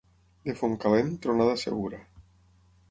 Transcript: De Fontcalent, tronada segura.